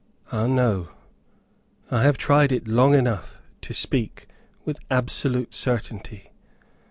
Ah, no! I have tried it long enough to speak with absolute certainty.